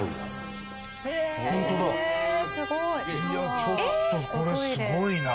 ちょっとこれすごいな。